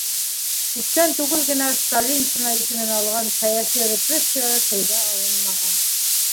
Күптән түгел генә «сталинщина» исемен алған сәйәси репрессиялар телгә алынмаған.